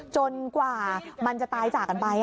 กว่ามันจะตายจากกันไป